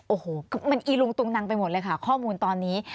โอ้โหมันอีลุงตุงนังไปหมดเลยค่ะข้อมูลตอนนี้